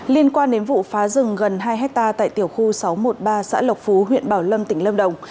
liên quan đến vụ phá rừng gần hai hectare tại tiểu khu sáu trăm một mươi ba xã lộc phú huyện bảo lâm tỉnh lâm đồng